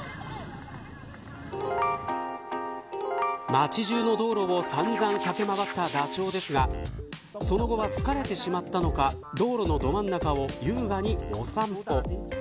街中の道路を散々駆け回ったダチョウですがその後は疲れてしまったのか道路のど真ん中を優雅にお散歩。